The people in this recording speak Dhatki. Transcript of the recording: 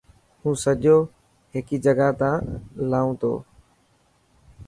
هون سجو هيڪي جڳهه تا لان تو.